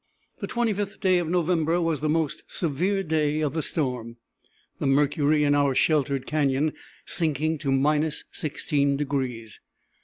The 25th day of November was the most severe day of the storm, the mercury in our sheltered cañon sinking to 16 degrees.